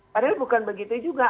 padahal bukan begitu juga